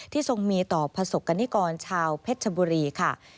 ทรงมีต่อประสบกรณิกรชาวเพชรชบุรีค่ะ